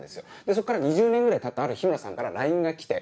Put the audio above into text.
そこから２０年ぐらいたったある日日村さんからラインが来て。